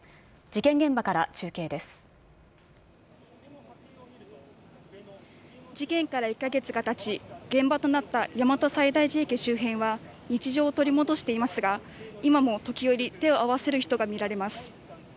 事件から１か月がたち、現場となった大和西大寺駅周辺は日常を取り戻していますが、今も時折、手を合わせる人が見られます。